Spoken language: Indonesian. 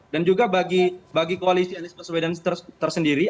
dan juga bagi koalisialis persepedan tersendiri